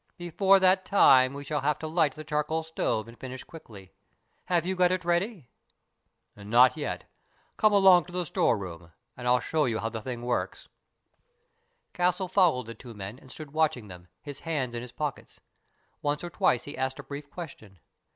Before that time we shall have to light the charcoal stove and finish quickly. Have you got it ready ?"" Not yet. Come along to the store room, and I'll show you how the thing works." BURDON'S TOMB 103 Castle followed the two men and stood watch ing them, his hands in his pockets. Once or twice he asked a brief question.